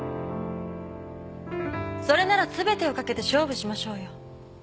それなら全てを懸けて勝負しましょうよ。